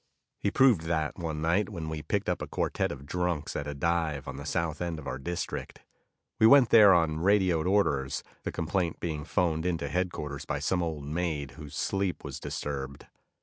He proved that one night when we picked up a quartet of drunks at a dive on the south end of our district. We went there on radioed orders, the complaint being phoned into headquarters by some old maid whose sleep was disturbed.